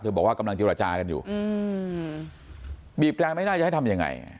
บอกว่ากำลังเจรจากันอยู่บีบแตรไม่น่าจะให้ทำยังไง